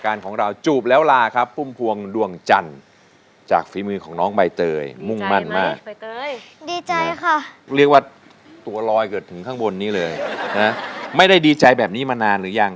กันไรวันวันละประมาณ๑๕๐ก็ยาทองก็ขายของมันได้บ้างไม่ได้บ้าง